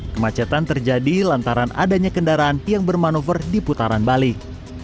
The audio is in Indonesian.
kemacetan terjadi lantaran adanya kendaraan yang bermanuver di putaran balik